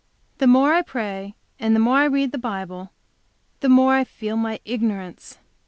The more I pray, and the more I read the Bible, the more I feel my ignorance.